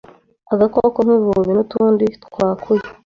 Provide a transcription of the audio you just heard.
agakoko nk’ivubi n’utundi twakuya